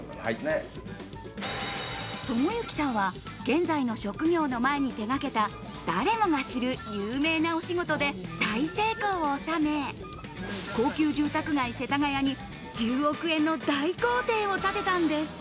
友行さんは、現在の職業の前に手がけた誰もが知る有名なお仕事で大成功を収め、高級住宅街・世田谷に１０億円の大豪邸を建てたんです。